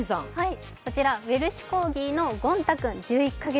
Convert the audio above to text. こちらウェルシュ・コーギーのゴン太君、１１か月。